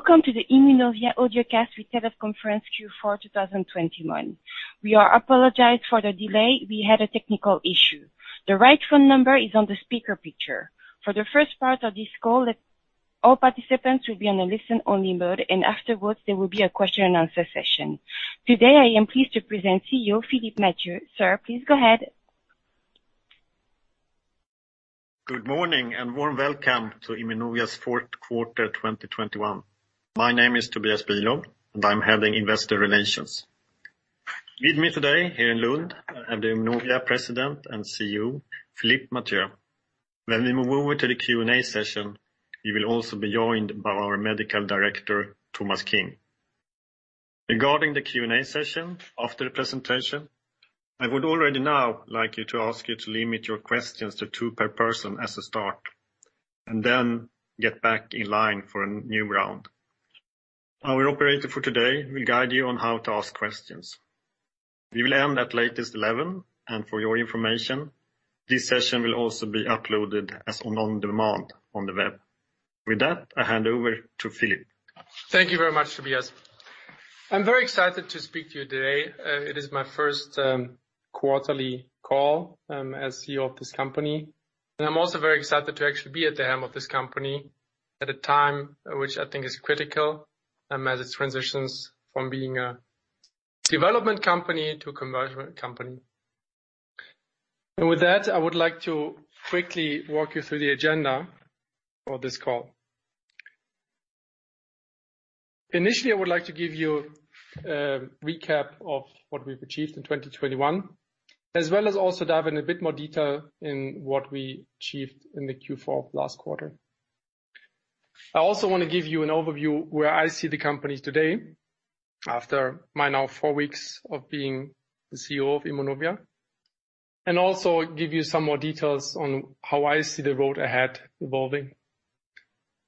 Welcome to the Immunovia Audiocast with Teleconference Q4 2021. We apologize for the delay, we had a technical issue. The right phone number is on the speaker picture. For the first part of this call, all participants will be on a listen-only mode, and afterwards, there will be a question and answer session. Today, I am pleased to present CEO Philipp Mathieu. Sir, please go ahead. Good morning, and warm welcome to Immunovia's fourth quarter 2021. My name is Tobias Bülow, and I'm heading Investor Relations. With me today here in Lund, I have the Immunovia President and CEO, Philipp Mathieu. When we move over to the Q&A session, we will also be joined by our Medical Director, Thomas King. Regarding the Q&A session after the presentation, I would already now like to ask you to limit your questions to two per person as a start, and then get back in line for a new round. Our operator for today will guide you on how to ask questions. We will end at latest 11, and for your information, this session will also be uploaded as on-demand on the web. With that, I hand over to Philipp. Thank you very much Tobias. I'm very excited to speak to you today. It is my first quarterly call as CEO of this company, and I'm also very excited to actually be at the helm of this company at a time which I think is critical as it transitions from being a development company to a commercial company. With that, I would like to quickly walk you through the agenda for this call. Initially, I would like to give you a recap of what we've achieved in 2021, as well as also dive in a bit more detail in what we achieved in the Q4 last quarter. I also wanna give you an overview where I see the company today after my now four weeks of being the CEO of Immunovia, and also give you some more details on how I see the road ahead evolving.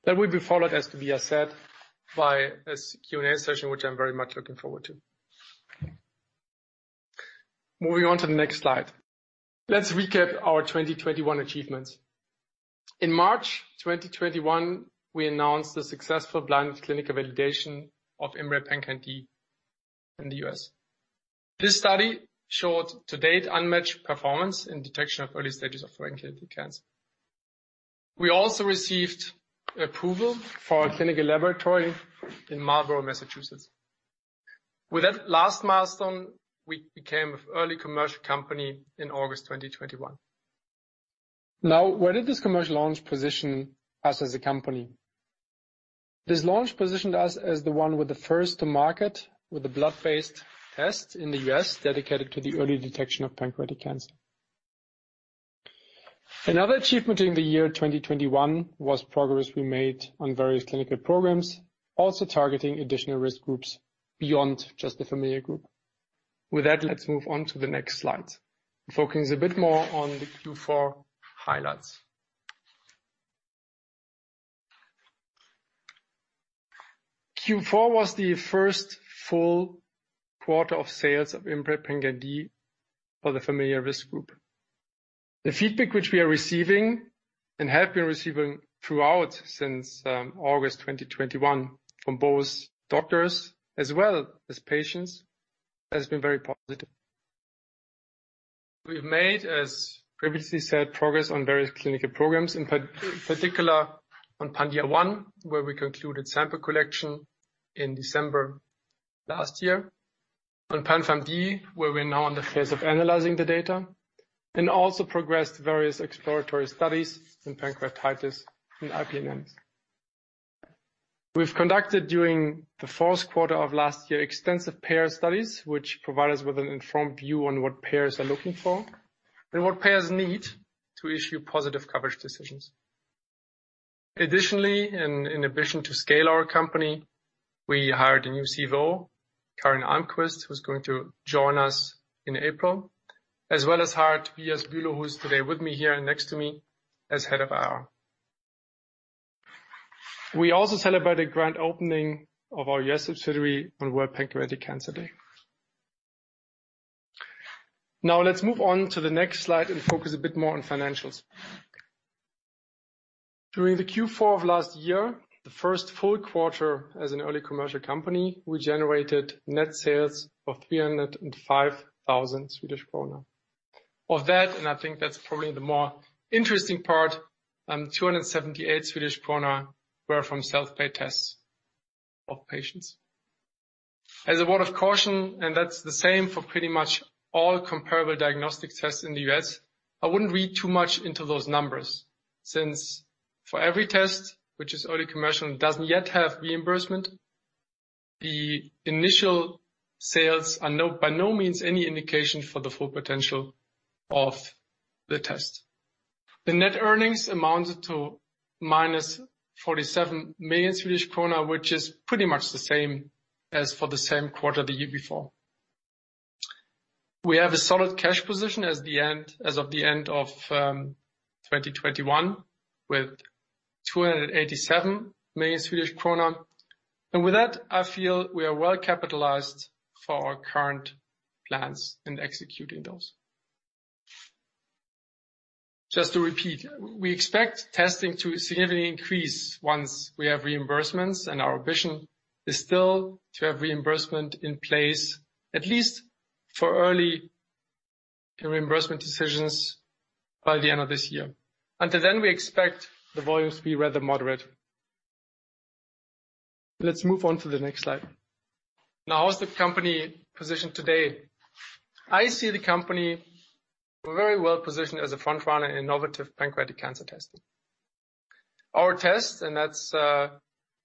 That will be followed as Tobias said, by this Q&A session which I'm very much looking forward to. Moving on to the next slide. Let's recap our 2021 achievements. In March 2021, we announced the successful blind clinical validation of IMMray PanCan-d in the U.S. This study showed to date unmatched performance in detection of early stages of pancreatic cancer. We also received approval for our clinical laboratory in Marlborough, Massachusetts. With that last milestone, we became an early commercial company in August 2021. Now, where did this commercial launch position us as a company? This launch positioned us as the one with the first to market with a blood-based test in the U.S. dedicated to the early detection of pancreatic cancer. Another achievement during the year 2021 was progress we made on various clinical programs, also targeting additional risk groups beyond just the familial group. With that, let's move on to the next slide, focusing a bit more on the Q4 highlights. Q4 was the first full quarter of sales of IMMray PanCan-d for the familial risk group. The feedback which we are receiving and have been receiving throughout since August 2021 from both doctors as well as patients has been very positive. We've made as previously said, progress on various clinical programs, in particular on PanDIA-1, where we concluded sample collection in December last year. On PanFAM-1, where we're now in the phase of analyzing the data and also progressed various exploratory studies in pancreatitis and IPMNs. We've conducted during the fourth quarter of last year, extensive payer studies, which provide us with an informed view on what payers are looking for and what payers need to issue positive coverage decisions. Additionally, in addition to scale our company, we hired a new CFO, Karin Almqvist, who's going to join us in April, as well as hired Tobias Bülow, who is today with me here and next to me as head of HR. We also celebrate the grand opening of our U.S. subsidiary on World Pancreatic Cancer Day. Now, let's move on to the next slide and focus a bit more on financials. During the Q4 of last year, the first full quarter as an early commercial company, we generated net sales of 305 thousand Swedish kronor. Of that, I think that's probably the more interesting part, two hundred and seventy-eight Swedish krona were from self-pay tests of patients. As a word of caution, that's the same for pretty much all comparable diagnostic tests in the U.S., I wouldn't read too much into those numbers since for every test which is early commercial and doesn't yet have reimbursement, the initial sales are by no means any indication for the full potential of the test. The net earnings amounted to -47 million Swedish krona, which is pretty much the same as for the same quarter the year before. We have a solid cash position as of the end of 2021 with 287 million Swedish krona. With that, I feel we are well capitalized for our current plans in executing those. Just to repeat, we expect testing to significantly increase once we have reimbursements, and our vision is still to have reimbursement in place, at least for early reimbursement decisions by the end of this year. Until then, we expect the volumes to be rather moderate. Let's move on to the next slide. Now how's the company positioned today? I see the company very well-positioned as a front runner in innovative pancreatic cancer testing. Our tests, and that's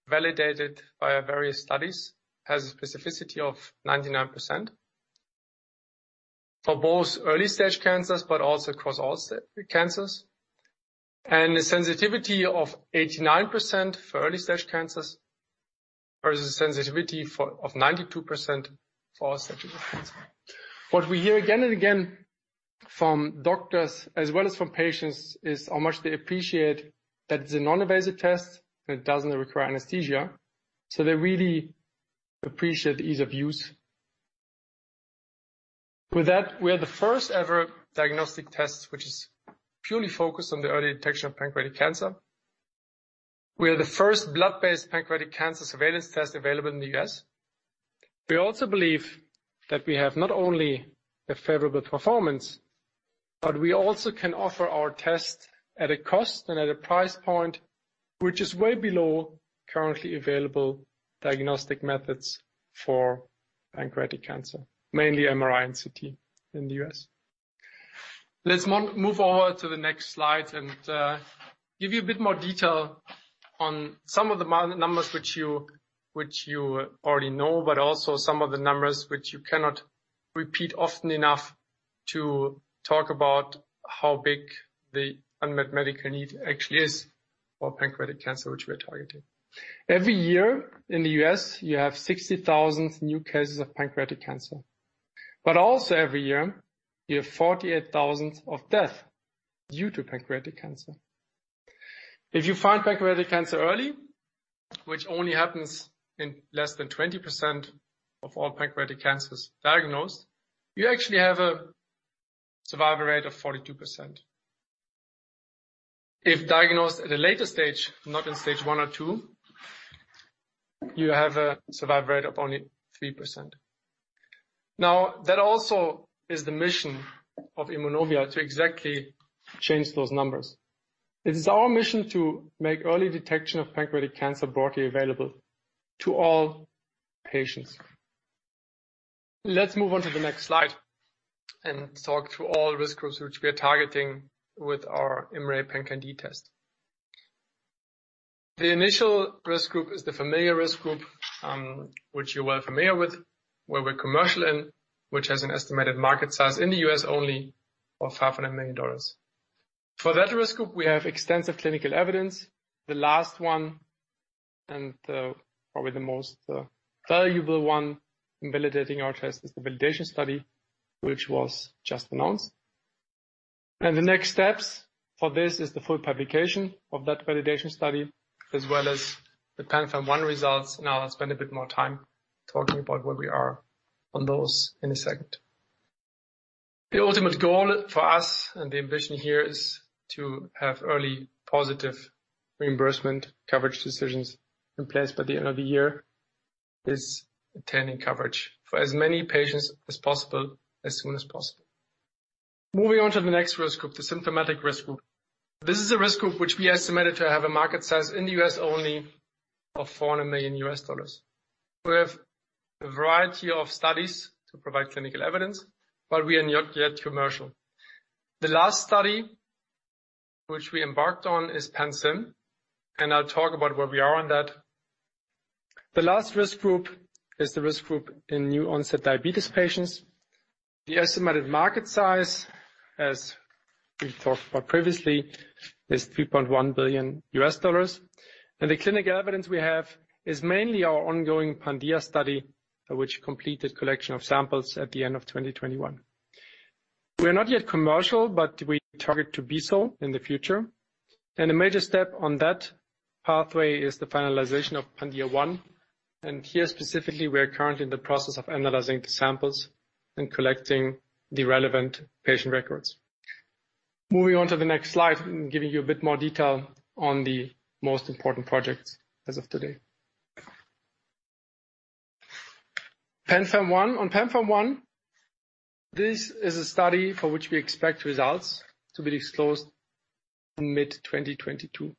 validated by various studies, has a specificity of 99% for both early-stage cancers, but also across all cancers, and a sensitivity of 89% for early-stage cancers, versus a sensitivity of 92% for all stages of cancer. What we hear again and again from doctors as well as from patients is how much they appreciate that it's a non-invasive test that doesn't require anesthesia, so they really appreciate the ease of use. With that, we are the first-ever diagnostic test which is purely focused on the early detection of pancreatic cancer. We are the first blood-based pancreatic cancer surveillance test available in the U.S. We also believe that we have not only a favorable performance, but we also can offer our test at a cost and at a price point which is way below currently available diagnostic methods for pancreatic cancer, mainly MRI and CT in the U.S. Let's move over to the next slide and give you a bit more detail on some of the numbers which you already know, but also some of the numbers which you cannot repeat often enough to talk about how big the unmet medical need actually is for pancreatic cancer, which we are targeting. Every year in the U.S., you have 60,000 new cases of pancreatic cancer, but also every year, you have 48,000 deaths due to pancreatic cancer. If you find pancreatic cancer early, which only happens in less than 20% of all pancreatic cancers diagnosed, you actually have a survival rate of 42%. If diagnosed at a later stage, not in stage one or two, you have a survival rate of only 3%. Now, that also is the mission of Immunovia to exactly change those numbers. It is our mission to make early detection of pancreatic cancer broadly available to all patients. Let's move on to the next slide and talk through all risk groups which we are targeting with our IMMray PanCan-d test. The initial risk group is the familial risk group, which you're well familiar with, where we're commercializing, which has an estimated market size in the U.S. only of $500 million. For that risk group, we have extensive clinical evidence. The last one, and probably the most valuable one in validating our test is the validation study, which was just announced. The next steps for this is the full publication of that validation study, as well as the PanFAM-1 results, and I'll spend a bit more time talking about where we are on those in a second. The ultimate goal for us, and the ambition here is to have early positive reimbursement coverage decisions in place by the end of the year, is obtaining coverage for as many patients as possible as soon as possible. Moving on to the next risk group, the symptomatic risk group. This is a risk group which we estimated to have a market size in the U.S. only of $400 million. We have a variety of studies to provide clinical evidence, but we are not yet commercial. The last study, which we embarked on is PanSYM-1, and I'll talk about where we are on that. The last risk group is the risk group in new-onset diabetes patients. The estimated market size, as we talked about previously, is $3.1 billion. The clinical evidence we have is mainly our ongoing PanDIA-1 study, which completed collection of samples at the end of 2021. We are not yet commercial, but we target to be so in the future. A major step on that pathway is the finalization of PanDIA-1. Here specifically, we are currently in the process of analyzing the samples and collecting the relevant patient records. Moving on to the next slide and giving you a bit more detail on the most important projects as of today. PanFAM-1. On PanFAM-1, this is a study for which we expect results to be disclosed in mid-2022.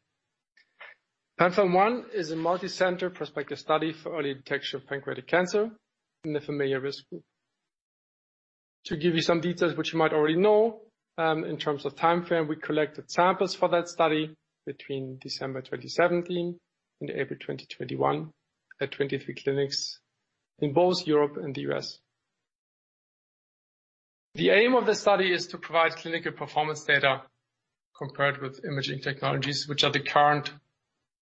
PanFAM-1 is a multi-center prospective study for early detection of pancreatic cancer in the familial risk group. To give you some details which you might already know, in terms of timeframe, we collected samples for that study between December 2017 and April 2021 at 23 clinics in both Europe and the U.S. The aim of the study is to provide clinical performance data compared with imaging technologies, which are the current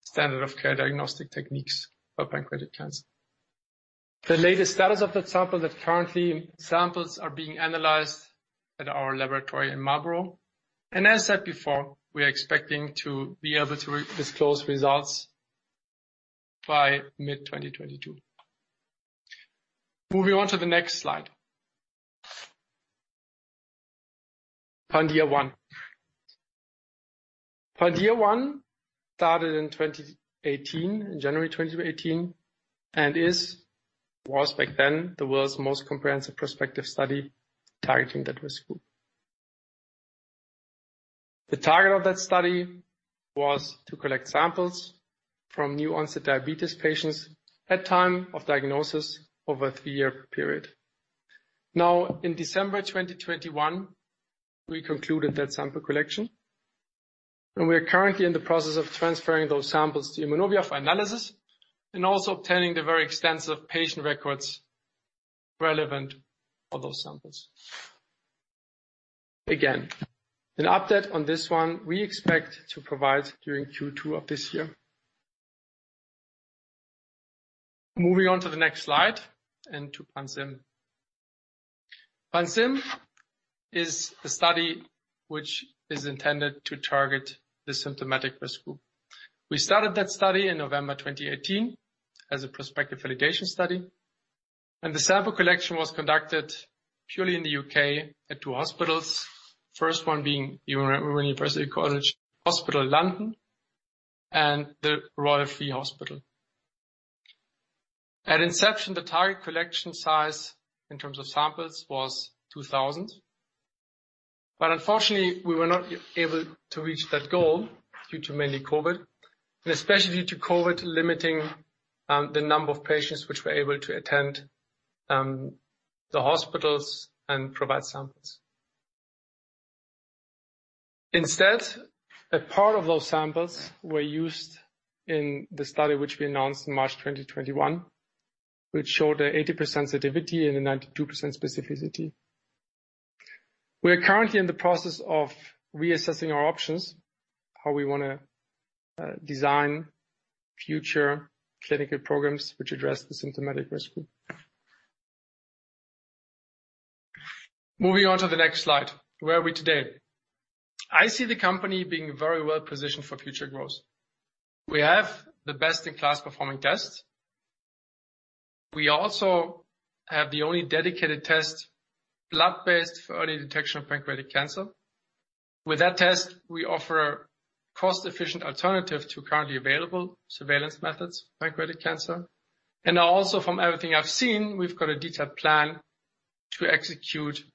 standard of care diagnostic techniques for pancreatic cancer. The latest status is that currently samples are being analyzed at our laboratory in Marlborough. As said before, we are expecting to be able to disclose results by mid-2022. Moving on to the next slide. PanDIA-1. PanDIA-1 started in 2018, in January 2018, and was back then the world's most comprehensive prospective study targeting that risk group. The target of that study was to collect samples from new onset diabetes patients at time of diagnosis over a three-year period. Now, in December 2021, we concluded that sample collection, and we are currently in the process of transferring those samples to Immunovia for analysis and also obtaining the very extensive patient records relevant for those samples. Again, an update on this one we expect to provide during Q2 of this year. Moving on to the next slide and to PanSYM-1. PanSYM-1 is a study which is intended to target the symptomatic risk group. We started that study in November 2018 as a prospective validation study, and the sample collection was conducted purely in the U.K. at two hospitals. First one being University College Hospital, London, and the Royal Free Hospital. At inception, the target collection size in terms of samples was 2,000, but unfortunately, we were not able to reach that goal due to mainly COVID, and especially due to COVID limiting the number of patients which were able to attend the hospitals and provide samples. Instead, a part of those samples were used in the study, which we announced in March 2021, which showed 80% sensitivity and 92% specificity. We are currently in the process of reassessing our options, how we wanna design future clinical programs which address the symptomatic risk group. Moving on to the next slide. Where are we today? I see the company being very well-positioned for future growth. We have the best-in-class performing tests. We also have the only dedicated test, blood-based for early detection of pancreatic cancer. With that test, we offer a cost-efficient alternative to currently available surveillance methods for pancreatic cancer. Also from everything I've seen, we've got a detailed plan to execute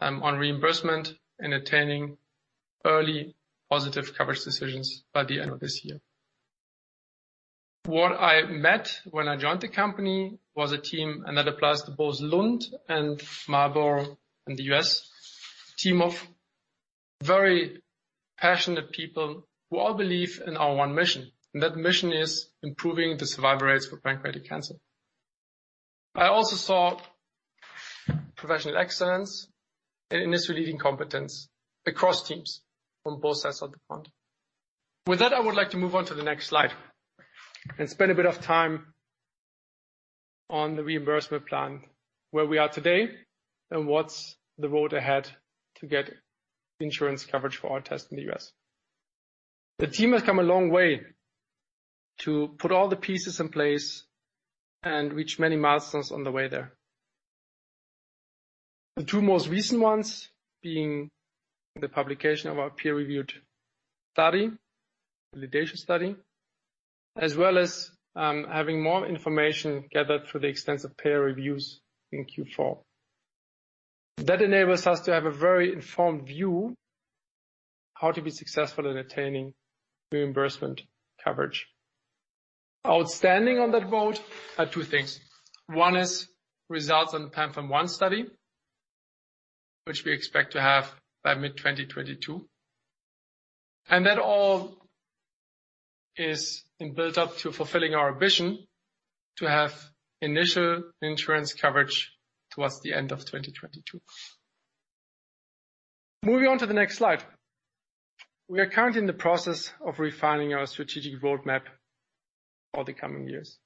on reimbursement and attaining early positive coverage decisions by the end of this year. What I met when I joined the company was a team, and that applies to both Lund and Marlborough and the U.S. team of very passionate people who all believe in our one mission, and that mission is improving the survival rates for pancreatic cancer. I also saw professional excellence and industry-leading competence across teams on both sides of the pond. With that, I would like to move on to the next slide and spend a bit of time on the reimbursement plan, where we are today and what's the road ahead to get insurance coverage for our test in the U.S. The team has come a long way to put all the pieces in place and reach many milestones on the way there. The two most recent ones being the publication of our peer-reviewed study, validation study, as well as, having more information gathered for the extensive peer reviews in Q4. That enables us to have a very informed view how to be successful in attaining reimbursement coverage. Outstanding on that front are two things. One is results on the PanFAM-1 study, which we expect to have by mid-2022. That all is built up to fulfilling our vision to have initial insurance coverage towards the end of 2022. Moving on to the next slide. We are currently in the process of refining our strategic roadmap for the coming years.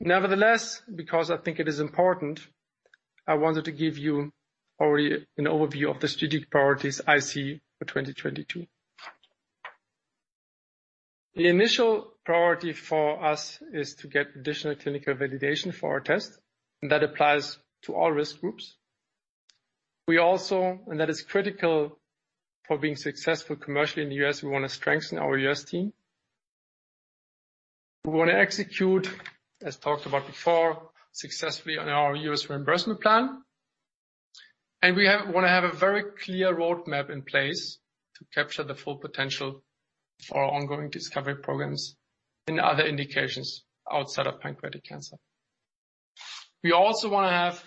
Nevertheless, because I think it is important, I wanted to give you already an overview of the strategic priorities I see for 2022. The initial priority for us is to get additional clinical validation for our test, and that applies to all risk groups. We also, and that is critical for being successful commercially in the U.S., we wanna strengthen our U.S. team. We wanna execute, as talked about before, successfully on our U.S. reimbursement plan, and we wanna have a very clear roadmap in place to capture the full potential for our ongoing discovery programs in other indications outside of pancreatic cancer. We also wanna have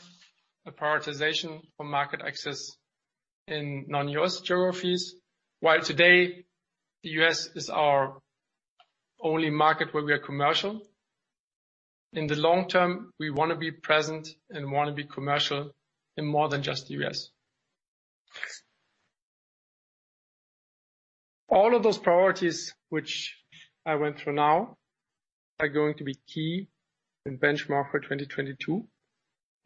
a prioritization for market access in non-U.S. geographies, while today the U.S. is our only market where we are commercial. In the long term, we wanna be present and wanna be commercial in more than just U.S. All of those priorities which I went through now are going to be key benchmarks for 2022,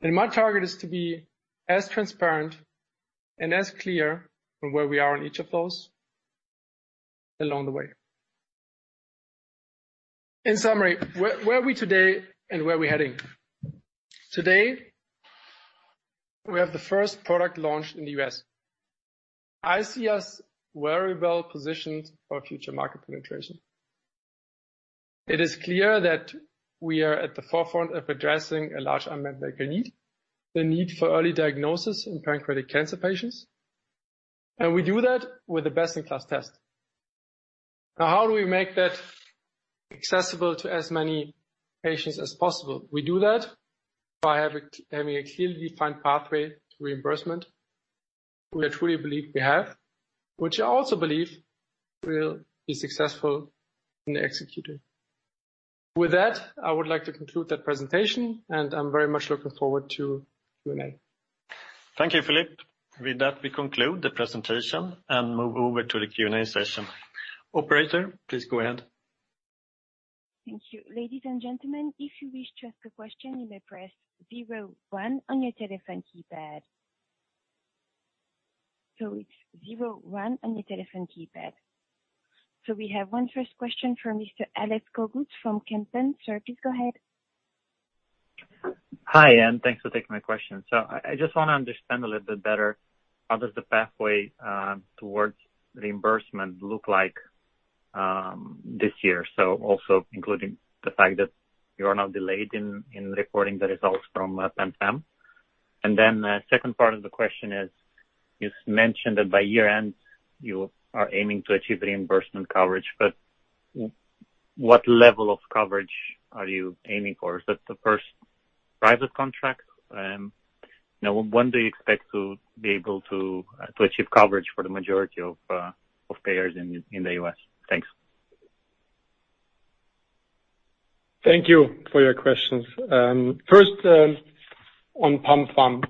and my target is to be as transparent and as clear on where we are on each of those along the way. In summary, where are we today and where are we heading? Today, we have the first product launch in the U.S. I see us very well positioned for future market penetration. It is clear that we are at the forefront of addressing a large unmet medical need, the need for early diagnosis in pancreatic cancer patients, and we do that with the best-in-class test. Now, how do we make that accessible to as many patients as possible? We do that by having a clearly defined pathway to reimbursement, which I truly believe we have, which I also believe will be successful in executing. With that, I would like to conclude that presentation, and I'm very much looking forward to Q&A. Thank you Philipp. With that, we conclude the presentation and move over to the Q&A session. Operator, please go ahead. Thank you. Ladies and gentlemen, if you wish to ask a question, you may press zero-one on your telephone keypad. It's zero-one on your telephone keypad. We have our first question from Mr. Alex Cogut from Kempen. Sir, please go ahead. Hi, and thanks for taking my question. I just wanna understand a little bit better, how does the pathway towards reimbursement look like this year? Also including the fact that you are now delayed in reporting the results from Panther. The second part of the question is, you mentioned that by year-end you are aiming to achieve reimbursement coverage, but what level of coverage are you aiming for? Is that the first private contract? Now, when do you expect to be able to achieve coverage for the majority of payers in the U.S.? Thanks. Thank you for your questions. First on Panther.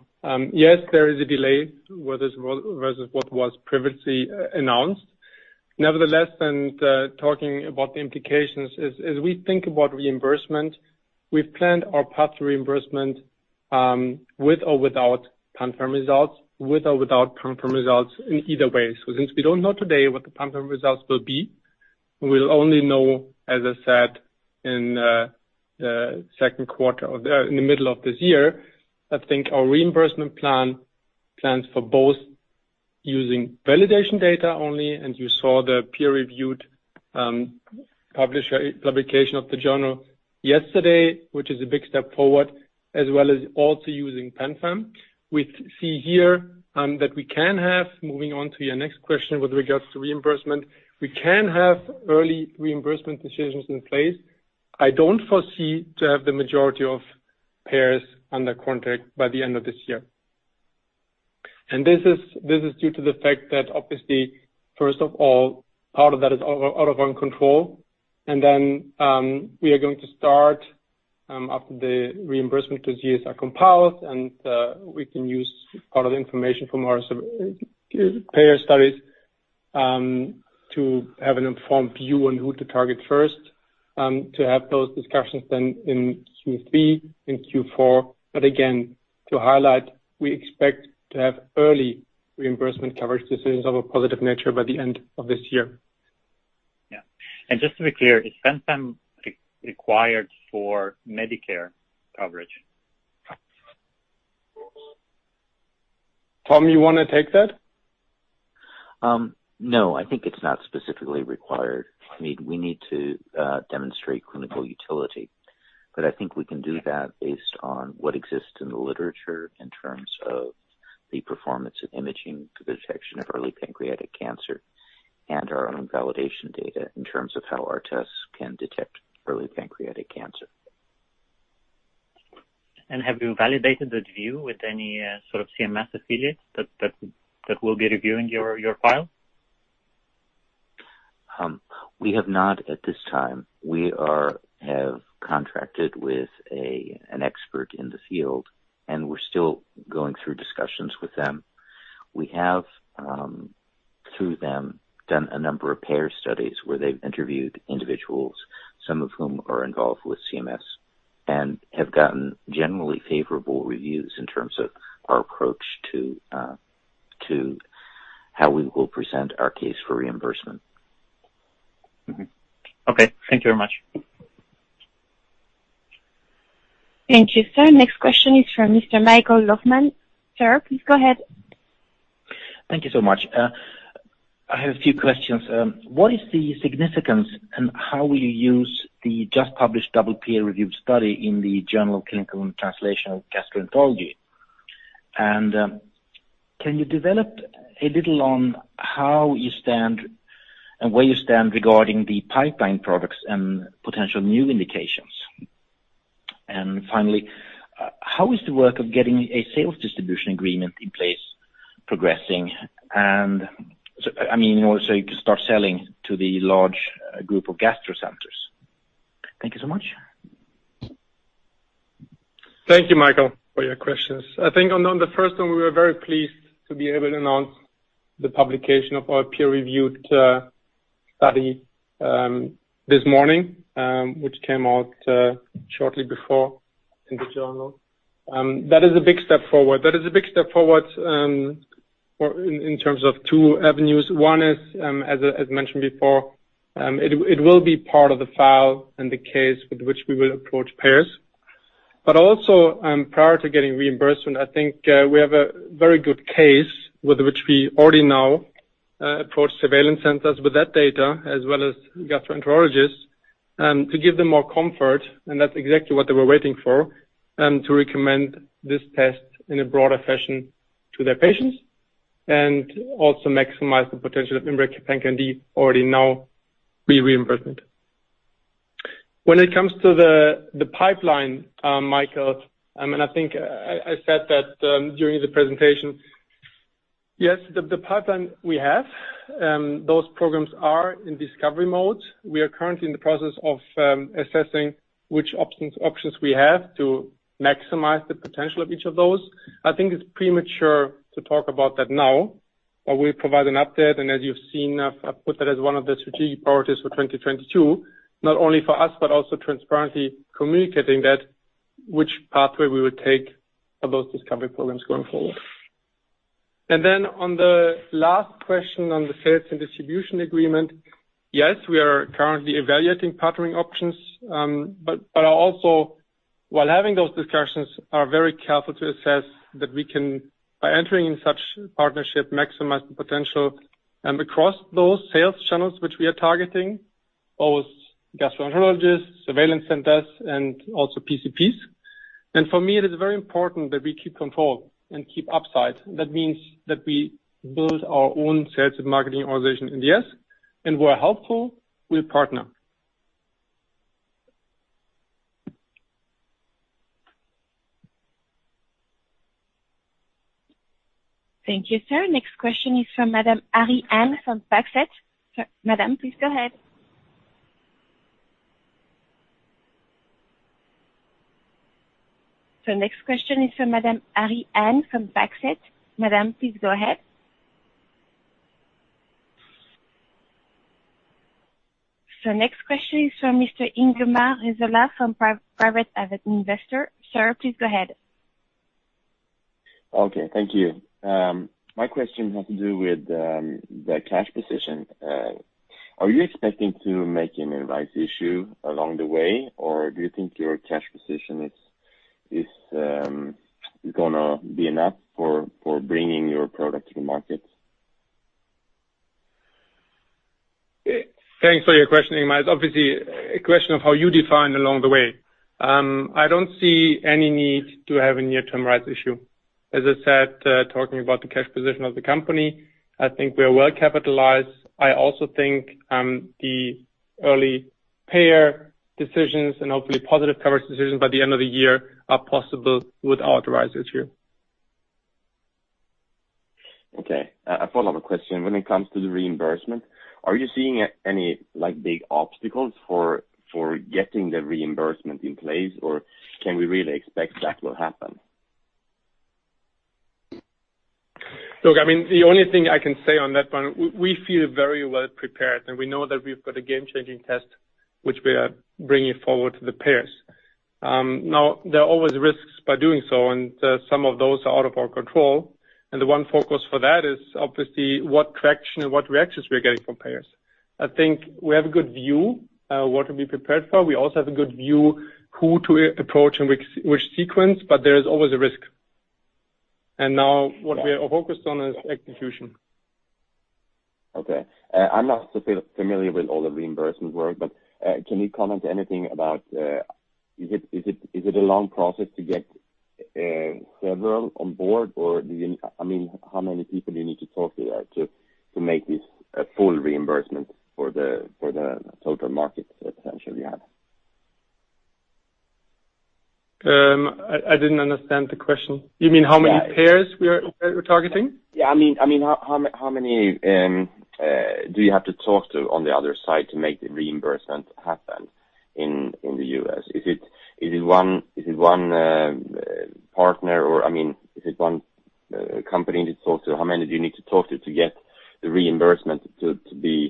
Yes there is a delay, whether it's versus what was previously announced. Nevertheless, talking about the implications as we think about reimbursement, we've planned our path to reimbursement with or without Panther results in either way. Since we don't know today what the Panther results will be, we'll only know, as I said, in the second quarter or in the middle of this year. I think our reimbursement plan plans for both using validation data only, and you saw the peer-reviewed publication in the journal yesterday, which is a big step forward, as well as also using Panther. We see here that we can have, moving on to your next question with regards to reimbursement, early reimbursement decisions in place. I don't foresee to have the majority of payers under contract by the end of this year. This is due to the fact that obviously, first of all, part of that is out of our control. We are going to start after the reimbursement procedures are compiled, and we can use part of the information from our payer studies to have an informed view on who to target first to have those discussions then in Q3 and Q4. Again, to highlight, we expect to have early reimbursement coverage decisions of a positive nature by the end of this year. Yeah. Just to be clear, is PanCan-d required for Medicare coverage? Tom, you wanna take that? No, I think it's not specifically required. I mean, we need to demonstrate clinical utility. I think we can do that based on what exists in the literature in terms of the performance of imaging for detection of early pancreatic cancer and our own validation data in terms of how our tests can detect early pancreatic cancer. Have you validated that view with any sort of CMS affiliates that will be reviewing your file? We have not at this time. We have contracted with an expert in the field, and we're still going through discussions with them. We have, through them, done a number of payer studies where they've interviewed individuals, some of whom are involved with CMS, and have gotten generally favorable reviews in terms of our approach to how we will present our case for reimbursement. Okay. Thank you very much. Thank you sir. Next question is from Mr. Michael Löfman. Sir, please go ahead. Thank you so much. I have a few questions. What is the significance and how will you use the just published double peer-reviewed study in the Journal of Clinical and Translational Gastroenterology? Can you develop a little on how you stand and where you stand regarding the pipeline products and potential new indications? Finally, how is the work of getting a sales distribution agreement in place progressing? I mean, in order so you can start selling to the large group of gastro centers? Thank you so much. Thank you Michael for your questions. I think on the first one, we were very pleased to be able to announce the publication of our peer-reviewed study this morning, which came out shortly before in the journal. That is a big step forward or in terms of two avenues. One is, as mentioned before, it will be part of the file and the case with which we will approach payers. Also, prior to getting reimbursement, I think we have a very good case with which we already now approach surveillance centers with that data, as well as gastroenterologists, to give them more comfort, and that's exactly what they were waiting for, to recommend this test in a broader fashion to their patients and also maximize the potential of IMMray PanCan-d already now before reimbursement. When it comes to the pipeline, Michael, I mean, I think I said that during the presentation. Yes, the pipeline we have, those programs are in discovery mode. We are currently in the process of assessing which options we have to maximize the potential of each of those. I think it's premature to talk about that now, but we'll provide an update, and as you've seen, I've put that as one of the strategic priorities for 2022, not only for us, but also transparently communicating that which pathway we would take for those discovery programs going forward. Then on the last question on the sales and distribution agreement, yes, we are currently evaluating partnering options, but also while having those discussions are very careful to assess that we can, by entering in such partnership, maximize the potential, across those sales channels which we are targeting, those gastroenterologists, surveillance centers, and also PCPs. For me, it is very important that we keep control and keep upside. That means that we build our own sales and marketing organization in the U.S., and where helpful, we'll partner. Thank you, sir. Next question is from Madame Ariane from Baxet. Madame, please go ahead. Next question is from Mr. Ingemar Risela from Private Investor. Sir, please go ahead. Okay, thank you. My question has to do with the cash position. Are you expecting to make any rights issue along the way, or do you think your cash position is gonna be enough for bringing your product to the market? Thanks for your question, Ingemar. Obviously a question of how you define along the way. I don't see any need to have a near-term rights issue. As I said, talking about the cash position of the company, I think we are well capitalized. I also think, the early payer decisions and hopefully positive coverage decisions by the end of the year are possible without the rights issue. Okay. A follow-up question. When it comes to the reimbursement, are you seeing any, like, big obstacles for getting the reimbursement in place, or can we really expect that will happen? Look, I mean the only thing I can say on that one, we feel very well prepared, and we know that we've got a game-changing test which we are bringing forward to the payers. Now there are always risks by doing so, and some of those are out of our control. The one focus for that is obviously what traction and what reactions we're getting from payers. I think we have a good view what to be prepared for. We also have a good view who to approach and which sequence, but there is always a risk. Now what we are focused on is execution. Okay. I'm not so familiar with all the reimbursement work, but can you comment anything about is it a long process to get several on board, or do you I mean, how many people you need to talk to to make this a full reimbursement for the total market potential you have? I didn't understand the question. You mean how many payers we're targeting? Yeah. I mean, how many do you have to talk to on the other side to make the reimbursement happen in the U.S.? Is it one partner or, I mean, is it one company you need to talk to? How many do you need to talk to to get the reimbursement to be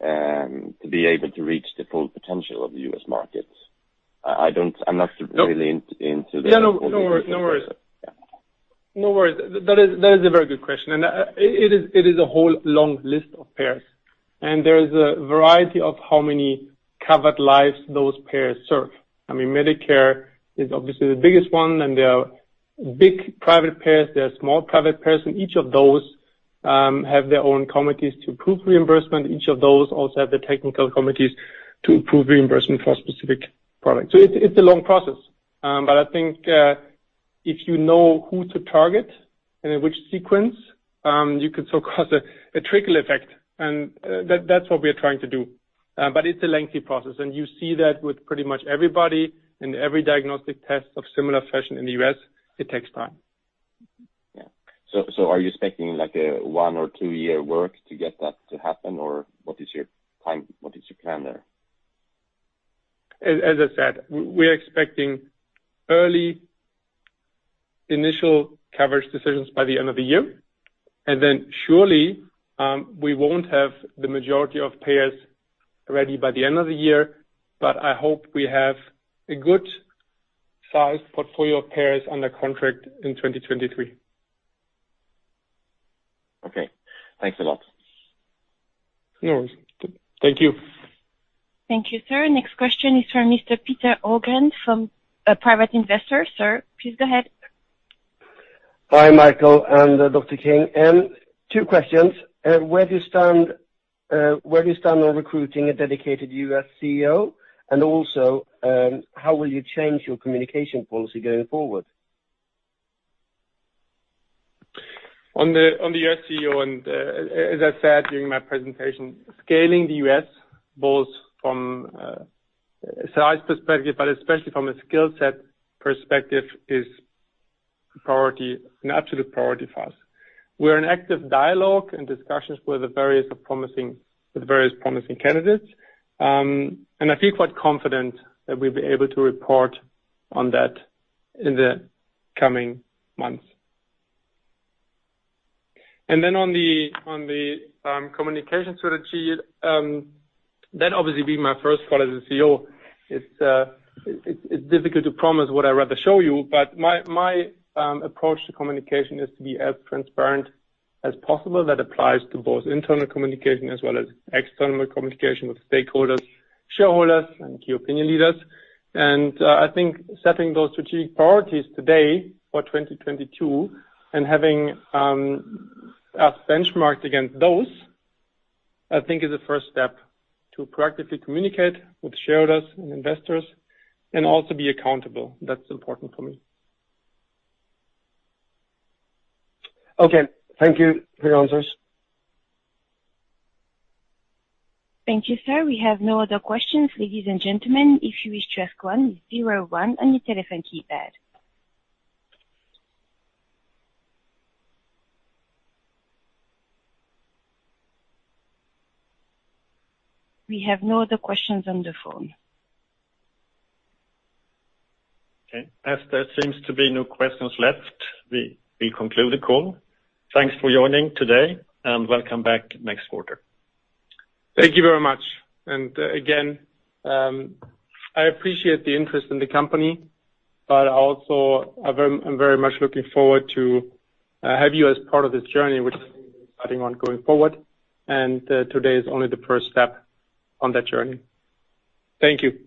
able to reach the full potential of the U.S. market? I don't. I'm not really into the- Yeah. No, no worries. No worries. Yeah. No worries. That is a very good question, and it is a whole long list of payers. There is a variety of how many covered lives those payers serve. I mean, Medicare is obviously the biggest one, and there are big private payers, there are small private payers, and each of those have their own committees to approve reimbursement. Each of those also have the technical committees to approve reimbursement for a specific product. It's a long process. But I think if you know who to target and in which sequence, you can so cause a trickle effect and that's what we are trying to do. But it's a lengthy process and you see that with pretty much everybody in every diagnostic test of similar fashion in the U.S., it takes time. Yeah. Are you expecting like a one or two year work to get that to happen, or what is your time, what is your plan there? As I said, we're expecting early initial coverage decisions by the end of the year. Then surely, we won't have the majority of payers ready by the end of the year, but I hope we have a good-sized portfolio of payers under contract in 2023. Okay. Thanks a lot. No worries. Thank you. Thank you sir. Next question is from Mr. Peter Ögren from Private Investor. Sir, please go ahead. Hi Michael and Dr. King. Two questions. Where do you stand on recruiting a dedicated U.S. CEO? Also, how will you change your communication policy going forward? On the U.S. CEO and, as I said during my presentation, scaling the U.S. both from size perspective, but especially from a skill set perspective, is an absolute priority for us. We're in active dialogue and discussions with various promising candidates. I feel quite confident that we'll be able to report on that in the coming months. On the communication strategy, that obviously being my first call as a CEO, it's difficult to promise what I'd rather show you. My approach to communication is to be as transparent as possible. That applies to both internal communication as well as external communication with stakeholders, shareholders and key opinion leaders. I think setting those strategic priorities today for 2022 and having us benchmarked against those, I think is a first step to proactively communicate with shareholders and investors and also be accountable. That's important for me. Okay. Thank you for your answers. Thank you sir. We have no other questions. Ladies and gentlemen, if you wish to ask one, zero one on your telephone keypad. We have no other questions on the phone. Okay. As there seems to be no questions left, we conclude the call. Thanks for joining today, and welcome back next quarter. Thank you very much. Again, I appreciate the interest in the company, but also I'm very much looking forward to having you as part of this journey going forward. Today is only the first step on that journey. Thank you.